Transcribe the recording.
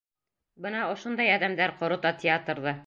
Бына ошондай әҙәмдәр ҡорота театрҙы!